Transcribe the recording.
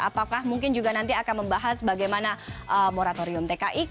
apakah mungkin juga nanti akan membahas bagaimana moratorium tki